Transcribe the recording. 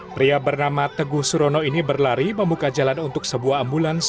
pria bernama teguh surono ini berlari membuka jalan untuk sebuah ambulans